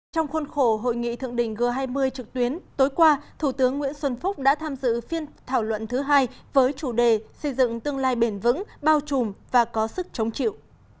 trong khuôn khổ hội nghị thượng đỉnh g hai mươi trực tuyến tối qua thủ tướng nguyễn xuân phúc đã tham dự phiên thảo luận thứ hai với chủ đề xây dựng tương lai bền vững bao trùm và có sức chống chịu